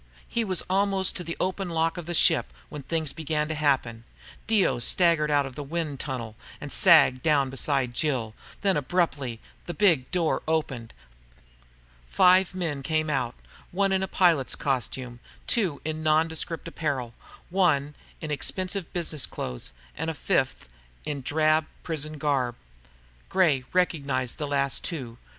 He was almost to the open lock of the ship when things began to happen. Dio staggered out of the wind tunnel and sagged down beside Jill. Then, abruptly, the big door opened. Five men came out one in pilot's costume, two in nondescript apparel, one in expensive business clothes, and the fifth in dark prison garb. Gray recognized the last two.